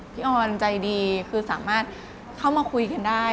ออนใจดีคือสามารถเข้ามาคุยกันได้